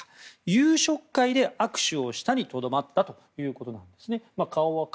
夕食会で握手をしたにとどまったということのようですね。